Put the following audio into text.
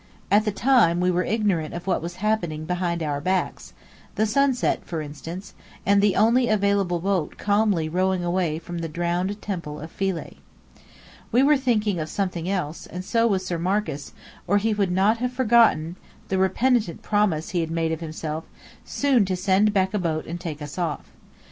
At the time, we were ignorant of what was happening behind our backs; the sunset for instance, and the only available boat calmly rowing away from the drowned Temple of Philae. We were thinking of something else; and so was Sir Marcus, or he would not have forgotten the repentant promise he made himself, soon to send back a boat and take us off.